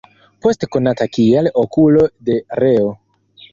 Poste konata kiel "Okulo de Reo".